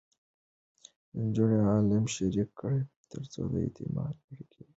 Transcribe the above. نجونې علم شریک کړي، ترڅو د اعتماد اړیکې قوي شي.